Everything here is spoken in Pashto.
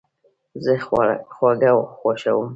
زه خواږه خوښوم